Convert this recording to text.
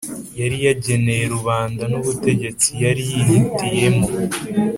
yari yageneye rubanda n'ubutegetsi yari yihitiye mo